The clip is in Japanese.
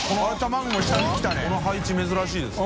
この配置珍しいですよ。